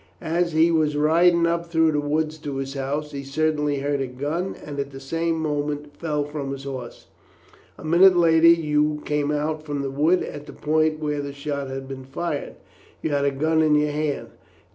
As he was riding up through the wood to his house, he suddenly heard a gun and at the same moment fell from his horse. A minute later you came out from the wood at the point where the shot had been fired. You had a gun in your hand.